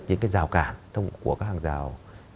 những cái rào cản của các hàng rào